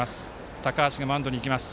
高橋がマウンドに行きます。